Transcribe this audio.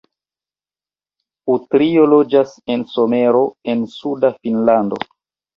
Utrio loĝas en Somero en suda Finnlando.